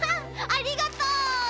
ありがとう！